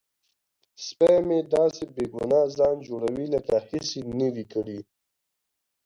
سپی مې داسې بې ګناه ځان جوړوي لکه هیڅ یې نه وي کړي.